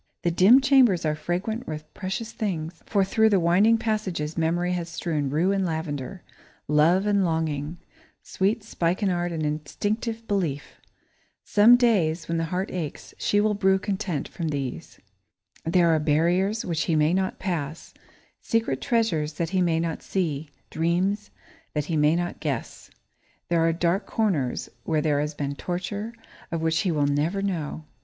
The dim chambers are fragrant with precious things, for through the winding passages Memory has strewn rue and lavender, love and longing; sweet spikenard and instinctive belief. Some day, when the heart aches, she will brew content from these. There are barriers which he may not pass, secret treasures that he may not see, dreams that he may not guess. There are dark corners where there has been torture, of which he will never know.